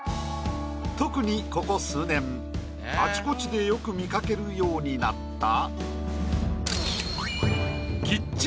特にここ数年あちこちでよく見かけるようになった。